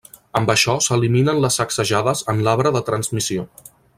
Amb això s'eliminen les sacsejades en l'arbre de transmissió.